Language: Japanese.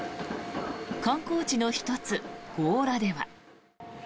観光地の１つ、強羅では。